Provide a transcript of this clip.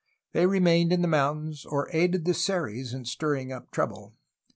They re mained in the mountains, or aided the Seris in stirring up trouble.